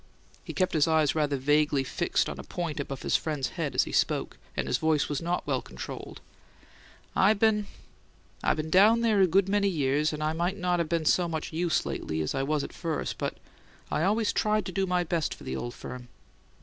He kept his eyes rather vaguely fixed on a point above his friend's head as he spoke, and his voice was not well controlled. "I been I been down there a good many years and I may not 'a' been so much use lately as I was at first, but I always tried to do my best for the old firm.